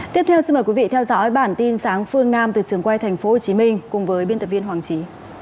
tiếp theo xin mời quý vị theo dõi bản tin sáng phương nam từ trường quay tp hcm cùng với biên tập viên hoàng trí